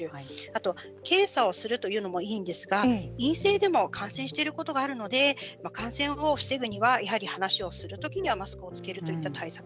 あと検査をするというのもいいんですが陰性でも感染していることがあるので感染を防ぐにはやはり話をするときにはマスクをつけるといった対策